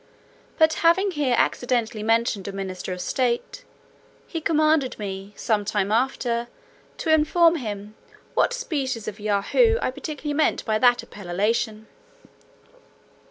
But having here accidentally mentioned a minister of state, he commanded me, some time after, to inform him, "what species of Yahoo I particularly meant by that appellation."